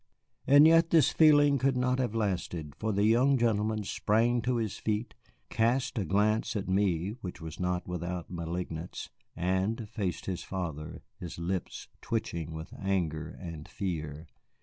And yet this feeling could not have lasted, for the young gentleman sprang to his feet, cast a glance at me which was not without malignance, and faced his father, his lips twitching with anger and fear.